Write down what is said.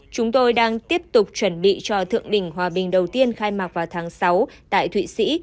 chúng tôi đang tiếp tục chuẩn bị cho thượng đỉnh hòa bình đầu tiên khai mạc vào tháng sáu tại thụy sĩ